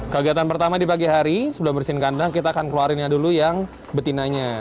kegiatan pertama di pagi hari sebelum bersin kandang kita akan keluarinnya dulu yang betinanya